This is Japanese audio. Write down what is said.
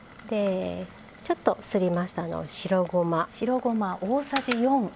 でちょっとすりました白ごま。